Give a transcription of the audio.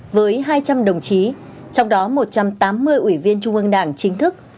với hai trăm linh đồng chí trong đó một trăm tám mươi ủy viên trung ương đảng chính thức